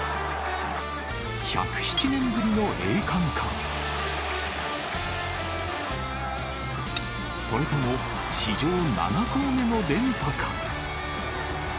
１０７年ぶりの栄冠か、それとも、史上７校目の連覇か。